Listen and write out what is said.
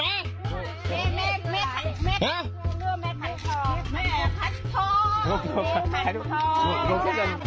แม่ขันทองแม่ขันทองแม่ขันทองแม่ขันทองแม่ขันทองแม่ขันทอง